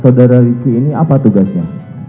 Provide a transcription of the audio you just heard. saudara riki ini apa tugasnya